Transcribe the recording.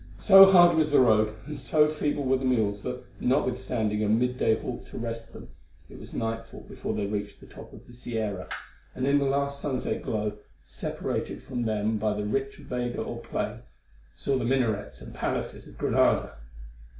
So hard was the road and so feeble were the mules that, notwithstanding a midday halt to rest them, it was nightfall before they reached the top of the Sierra, and in the last sunset glow, separated from them by the rich vega or plain, saw the minarets and palaces of Granada.